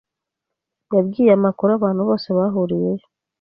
Yabwiye amakuru abantu bose bahuriyeyo.